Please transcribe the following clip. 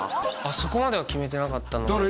そこまでは決めてなかっただから